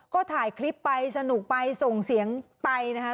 ก็ถ่ายคลิปไปสนุกไปส่งเสียงไปนะคะ